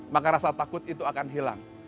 maka rasa takut itu akan hilang